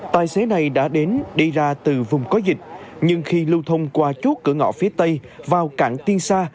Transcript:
tài xế này đã đến đi ra từ vùng có dịch nhưng khi lưu thông qua chốt cửa ngõ phía tây vào cảng tiên sa